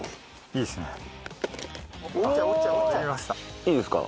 いいですか？